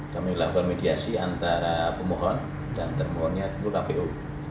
kami lakukan mediasi antara pemohon dan permohonnya itu kpu